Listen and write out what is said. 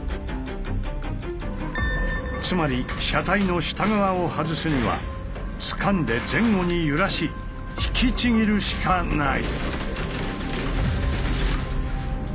つまり車体の下側を外すにはつかんで前後に揺らし引きちぎるしかない。